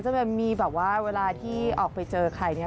แบบมีแบบว่าเวลาที่ออกไปเจอใครเนี่ย